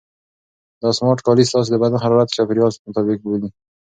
دا سمارټ کالي ستاسو د بدن حرارت د چاپیریال مطابق بدلوي.